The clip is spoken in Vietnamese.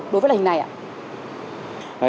đó là hình này ạ